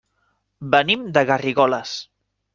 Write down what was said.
Venim de Garrigoles.